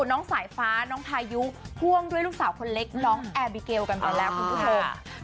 น้องสายฟ้าน้องพายุพ่วงด้วยลูกสาวคนเล็กน้องแอร์บิเกลกันไปแล้วคุณผู้ชม